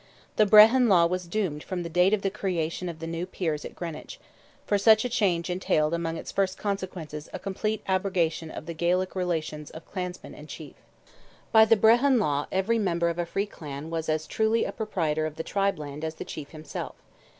The Brehon law was doomed from the date of the creation of the new Peers at Greenwich, for such a change entailed among its first consequences a complete abrogation of the Gaelic relations of clansman and chief. By the Brehon law every member of a free clan was as truly a proprietor of the tribe land as the chief himself.